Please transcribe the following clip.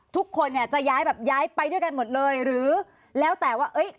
ทุกคนเนี่ยจะย้ายแบบย้ายไปด้วยกันหมดเลยหรือแล้วแต่ว่าเอ้ย